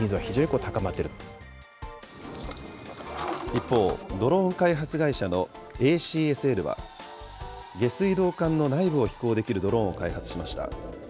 一方、ドローン開発会社のＡＣＳＬは下水道管の内部を飛行できるドローンを開発しました。